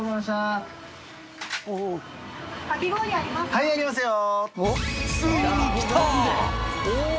はいありますよ。